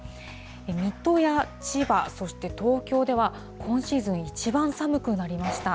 水戸や千葉、そして東京では、今シーズン一番寒くなりました。